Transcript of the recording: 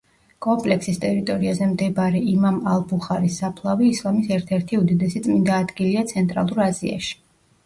კომპლექსის ტერიტორიაზე მდებარე იმამ ალ-ბუხარის საფლავი, ისლამის ერთ-ერთი უდიდესი წმინდა ადგილია ცენტრალურ აზიაში.